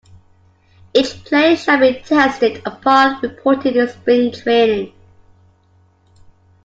Each Player shall be tested upon reporting to spring training.